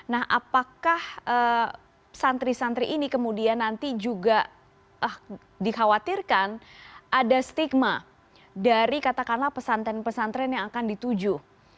nah apakah santri santri ini kemudian nanti juga dikhawatirkan ada stigma dari katakanlah pesantren pesantren yang akan dituju